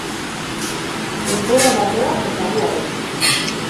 Denbora badoa eta gu harekin.